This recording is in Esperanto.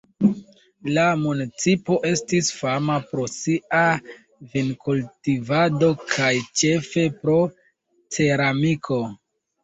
La municipo estis fama pro sia vinkultivado kaj ĉefe pro ceramiko.